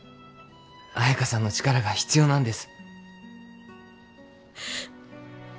彩佳さんの力が必要なんです。